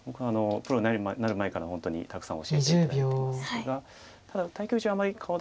プロになる前から本当にたくさん教えて頂いていますがただ対局中あまり顔出さないんですよね。